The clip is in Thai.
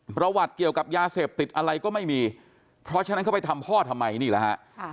ประวัติเกี่ยวกับยาเสพติดอะไรก็ไม่มีเพราะฉะนั้นเขาไปทำพ่อทำไมนี่แหละฮะ